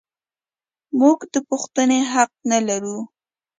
موږ د پوښتنې حق نه لرو.